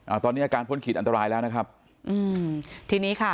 อ่าตอนนี้อาการพ้นขีดอันตรายแล้วนะครับอืมทีนี้ค่ะ